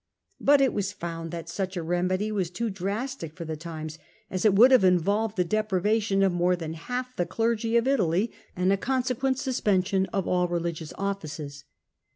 But j it was found that such a remedy was too drastic for the V times, as it would have involved the deprivation of f more than half the clergy of Italy, and a consequent suspension of all religious offices.